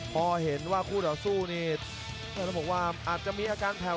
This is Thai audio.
พอเห็นว่าคู่ต่อสู้นี่ต้องบอกว่าอาจจะมีอาการแผ่ว